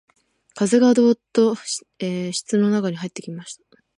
風がどうっと室の中に入ってきました